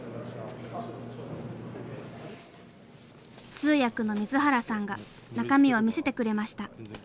通訳の水原さんが中身を見せてくれました。